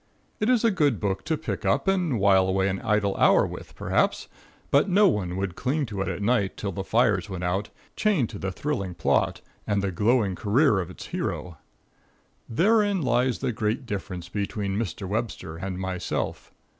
It is a good book to pick up and while away an idle hour with, perhaps, but no one would cling to it at night till the fire went out, chained to the thrilling plot and the glowing career of its hero. Therein consists the great difference between Mr. Webster and myself.